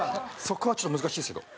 そこはちょっと難しいですけど。